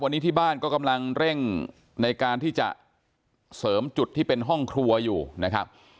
วันนี้ที่บ้านก็กำลังเร่งในการที่จะเสริมจุดที่เป็นห้องครัวอยู่นะครับ